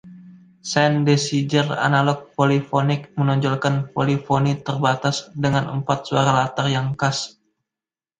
Synthesizer analog polifonik menonjolkan polifoni terbatas, dengan empat suara latar yang khas.